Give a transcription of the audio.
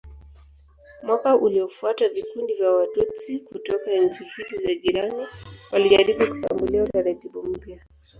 Mwaka uliofuata vikundi vya Watutsi kutoka nchi hizi za jirani walijaribu kushambulia utaratibu mpya.